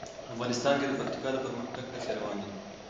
افغانستان کې د پکتیکا د پرمختګ هڅې روانې دي.